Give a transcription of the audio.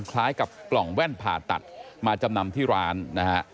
คล้ายกับกล่องแว่นผ่าตัดมาจำนำที่ร้านนะฮะ